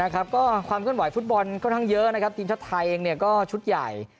ก็ความเคลื่อนไหวฟุตบอลค่อนข้างเยอะนะครับทีมชาติไทยเองก็ชุดใหญ่